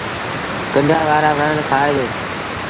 ڪنڊآن وآرآ وڻ کآئي دو۔